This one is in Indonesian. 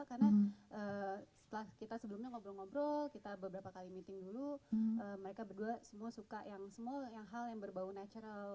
karena setelah kita sebelumnya ngobrol ngobrol kita beberapa kali meeting dulu mereka berdua semua suka yang semua hal yang berbau natural